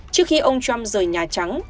trước khi ông trump rời nhà trắng